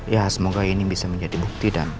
ya semoga ini bisa menjadi bukti